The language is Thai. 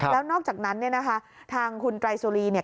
แล้วนอกจากนั้นทางคุณไกรสุรีเนี่ย